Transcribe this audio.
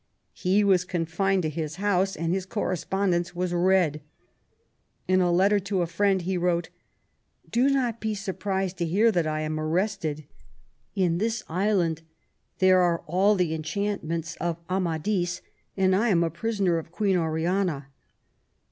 He was confined to his house, and his correspondence was read. In a letter to a friend, he wrote :" Do not be surprised to hear that I am arrested. In this island there are all the enchantments of Amadis, and I am a prisoner of Queen Oriana."